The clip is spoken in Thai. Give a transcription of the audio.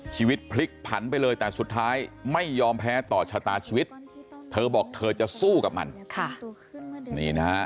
ชีวิตพลิกผันไปเลยแต่สุดท้ายไม่ยอมแพ้ต่อชะตาชีวิตเธอบอกเธอจะสู้กับมันค่ะนี่นะฮะ